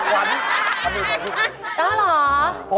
มาส์ถนนขี้